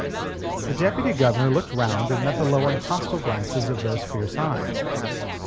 The Deputy Governor looked round and met the lowering hostile glances of those fierce eyes.